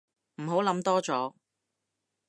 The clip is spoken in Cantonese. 唔好諗多咗